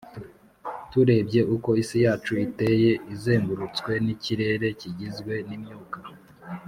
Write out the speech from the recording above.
turebye uko isi yacu iteye, izengurutswe n'ikirere kigizwe n'imyuka